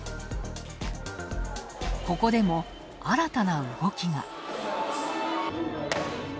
ここでも新たな動きが。